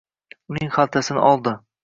uning xaltasini oldi.